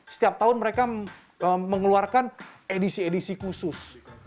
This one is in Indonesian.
setiap tahun mereka mengeluarkan edisi edisi khusus